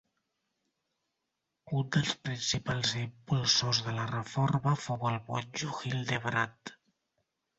Un dels principals impulsors de la reforma fou el monjo Hildebrand.